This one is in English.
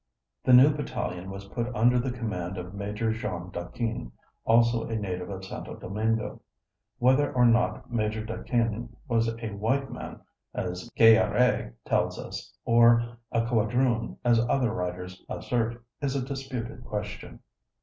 The new battalion was put under the command of Major Jean Daquin, also a native of Santo Domingo. Whether or not Major Daquin was a white man as Gayarr├® tells us, or a quadroon as other writers assert, is a disputed question.